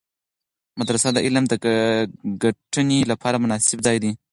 مدرسه د علم د ګټنې لپاره مناسب ځای دی.